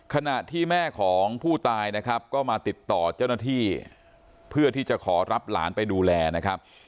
ขณะที่แม่ของผู้ตายนะครับก็มาติดต่อเจ้าหน้าที่เพื่อที่จะขอรับหลานไปดูแลนะครับ